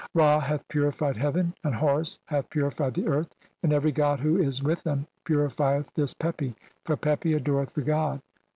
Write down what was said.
(185) "Ra hath purified heaven and Horus hath "purified the earth, and every god who is with them "purifieth this Pepi, for Pepi adoreth the god.